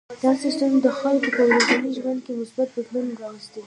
دا سیستم د خلکو په ورځني ژوند کې مثبت بدلون راوستی.